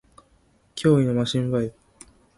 脅威のマシンバイブ